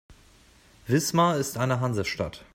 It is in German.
Wismar ist eine Hansestadt.